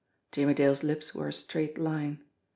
Jimmie Dale's lips were a straight line.